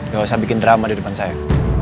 gak usah bikin drama di depan saya